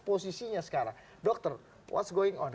posisinya sekarang dokter what's going on